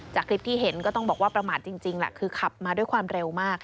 จากคลิปที่เห็นก็ต้องบอกว่าประมาทจริงแหละคือขับมาด้วยความเร็วมาก